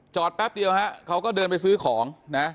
แป๊บเดียวฮะเขาก็เดินไปซื้อของนะ